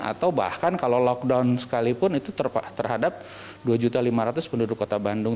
atau bahkan kalau lockdown sekalipun itu terhadap dua lima ratus penduduk kota bandung